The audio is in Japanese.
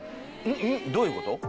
うん？どういうこと？